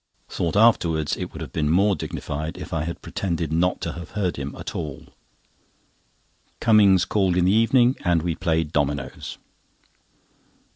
Thought afterwards it would have been more dignified if I had pretended not to have heard him at all. Cummings called in the evening, and we played dominoes.